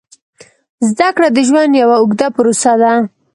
زده کړه د ژوند یوه اوږده پروسه ده.